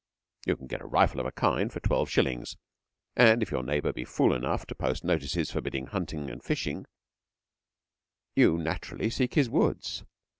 You can get a rifle of a kind for twelve shillings, and if your neighbour be fool enough to post notices forbidding 'hunting' and fishing, you naturally seek his woods.